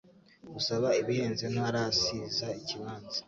Usaba ibihenze ntarasiza ikibanza